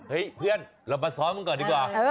เฮ้ยเพื่อนเรามาซ้อมก่อนดีกว่า